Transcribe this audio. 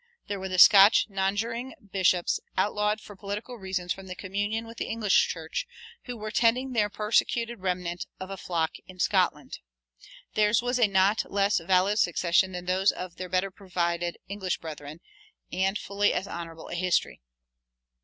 There were the Scotch nonjuring bishops, outlawed for political reasons from communion with the English church, who were tending their "persecuted remnant" of a flock in Scotland. Theirs was a not less valid succession than those of their better provided English brethren, and fully as honorable a history.